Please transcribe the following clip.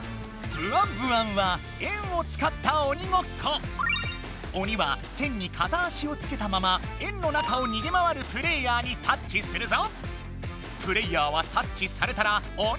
「ブワン・ブワン」はおには線に片足をつけたまま円の中をにげ回るプレーヤーにタッチするぞ。